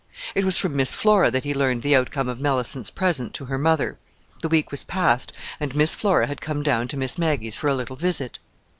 It was from Miss Flora that he learned the outcome of Mellicent's present to her mother. The week was past, and Miss Flora had come down to Miss Maggie's for a little visit.